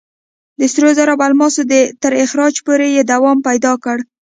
د سرو زرو او الماسو تر استخراجه پورې یې دوام پیدا کړ.